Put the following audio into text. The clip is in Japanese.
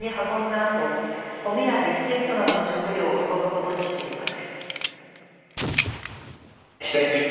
あと米やビスケットなどの食料を運ぶことにしています。